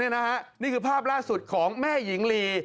นี่คือภาพล่าสุดของแม่หญิงลี